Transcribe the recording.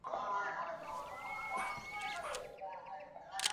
সঙ্গে থাকবেন চিত্র পরিচালক মৃণাল সেন, চিত্রকর যোগেন চৌধুরী, রবীন মণ্ডলসহ অনেকে।